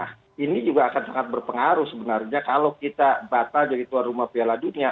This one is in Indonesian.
nah ini juga akan sangat berpengaruh sebenarnya kalau kita batal jadi tuan rumah piala dunia